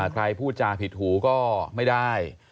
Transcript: พูดจาผิดหูก็ไม่ได้